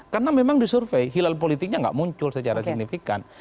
karena memang disurvey hilal politiknya enggak muncul secara signifikan